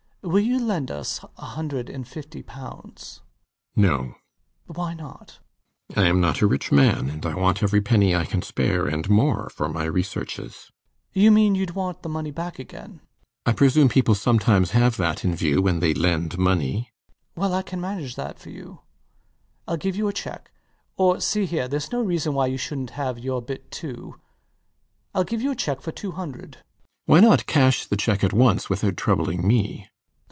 Will you lend us a hundred and fifty pounds? RIDGEON. No. LOUIS [surprised] Why not? RIDGEON. I am not a rich man; and I want every penny I can spare and more for my researches. LOUIS. You mean youd want the money back again. RIDGEON. I presume people sometimes have that in view when they lend money. LOUIS [after a moment's reflection] Well, I can manage that for you. I'll give you a cheque or see here: theres no reason why you shouldnt have your bit too: I'll give you a cheque for two hundred. RIDGEON. Why not cash the cheque at once without troubling me?